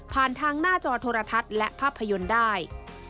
ผ่านทางหน้าจอโทรทัศน์และภาพยนตร์ได้